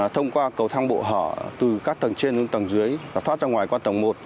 thông qua cầu thang bộ hở từ các tầng trên lên tầng dưới và thoát ra ngoài qua tầng một